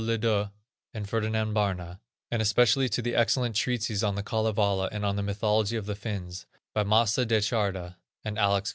LeDuc and Ferdinand Barna; and especially to the excellent treatises on the Kalevala, and on the Mythology of the Finns, by Mace Da Charda and Alex.